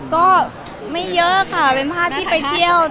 ก็ไม่เยอะค่ะเป็นภาพที่ไปเที่ยว